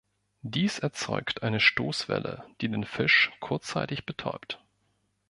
Dies erzeugt eine Stoßwelle, die den Fisch kurzzeitig betäubt.